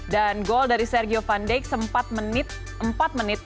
dan gol dari sergio van dijk sempat menit empat menit